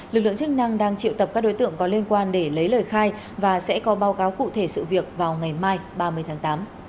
lực lượng chức năng đang triệu tập các đối tượng có liên quan để lấy lời khai và sẽ có báo cáo cụ thể sự việc vào ngày mai ba mươi tháng tám